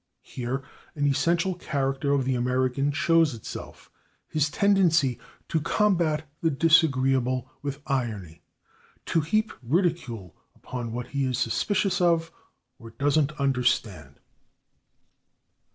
Here an essential character of the American shows itself: his tendency to combat the disagreeable with irony, to heap ridicule upon what he is suspicious of or doesn't understand.